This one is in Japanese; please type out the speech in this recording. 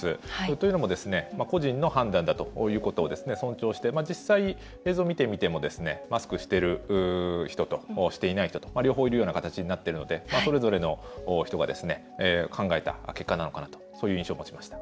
というのも個人の判断だということを尊重して、実際映像を見てみてもマスクしている人としていない人と両方いるような形になっているのでそれぞれの人が考えた結果なのかなという印象を持ちました。